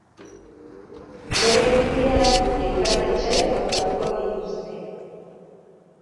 Bere ibilbidean hainbat etsai topatuko dituzte.